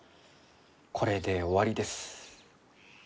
これで終わりです。